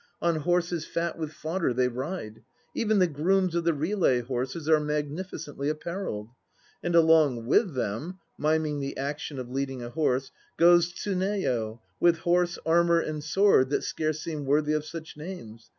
On horses fat with fodder they ride; even the grooms of the relay horses are magnificently apparelled. And along with them (miming the action of leading a horse) goes Tsuneyo, with horse, armour and sword that scarce seem worthy of such names.